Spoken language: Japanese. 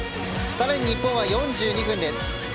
更に日本は４２分です。